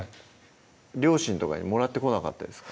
両親とかにもらってこなかったですか？